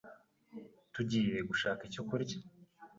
Tugiye gushaka icyo kurya.